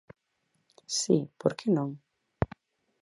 Si, por que non?